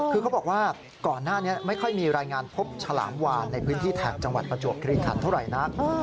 คือเขาบอกว่าก่อนหน้านี้ไม่ค่อยมีรายงานพบฉลามวานในพื้นที่แถบจังหวัดประจวบคลีขันเท่าไหร่นัก